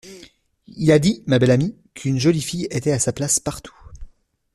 Il a dit, ma belle amie, qu'une jolie fille était à sa place partout.